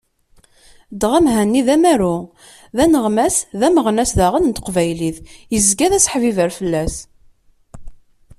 Dɣa, Mhenni d amaru, d aneɣmas, d ameɣnas daɣen n teqbaylit, yezga d aseḥbibber fell-as.